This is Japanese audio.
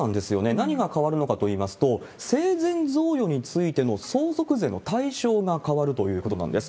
何が変わるのかといいますと、生前贈与についての相続税の対象が変わるということなんです。